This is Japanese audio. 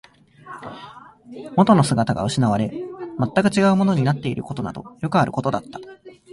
元の姿が失われ、全く違うものになっていることなどよくあることだった